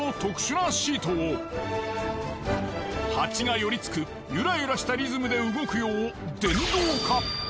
ハチが寄りつくゆらゆらしたリズムで動くよう電動化。